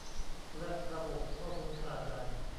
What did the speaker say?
และระบบข้อมูลขนาดใหญ่